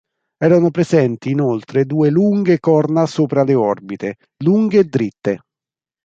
Erano presenti inoltre due lunghe corna sopra le orbite, lunghe e dritte.